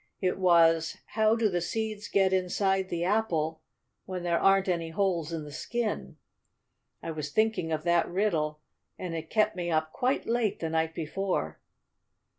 It was how do the seeds get inside the apple when there aren't any holes in the skin. I was thinking of that riddle, and it kept me up quite late the night before."